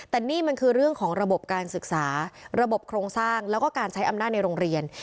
แต่นี่มันคือเรื่องของระบบการศึกษาระบบโครงสร้างแล้วก็การใช้อำนาจในโรงเรียน